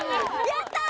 やったー！